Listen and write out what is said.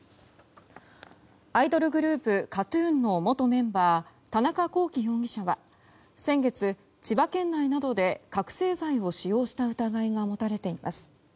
アイドルグループＫＡＴ‐ＴＵＮの元メンバー田中聖容疑者は先月、千葉県内などで覚醒剤を使用した疑いが持たれています。